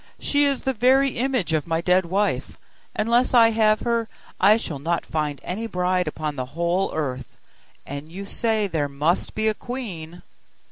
She is the very image of my dead wife: unless I have her, I shall not find any bride upon the whole earth, and you say there must be a queen.